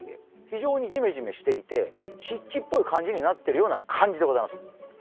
非常にじめじめしていて湿地っぽい感じになってるような感じでございます。